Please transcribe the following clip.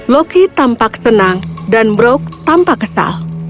loki tampak senang dan brok tanpa kesal